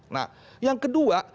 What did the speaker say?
nah yang kedua